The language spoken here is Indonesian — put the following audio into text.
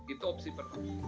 itu opsi pertama